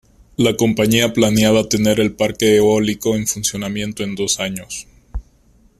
La compañía planeaba tener el parque eólico en funcionamiento en dos años.